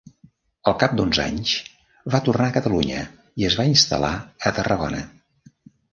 Al cap d'uns anys va tornar a Catalunya i es va instal·lar a Tarragona.